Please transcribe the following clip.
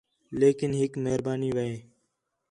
لیکن ہِک مہربانی وے